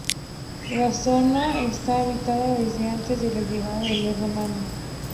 La zona está habitada desde antes de la llegada de los romanos.